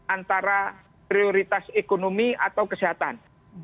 antara prioritas ekonomi atau kesehatan